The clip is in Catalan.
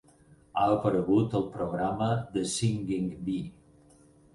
Ha aparegut al programa "The Singing Bee".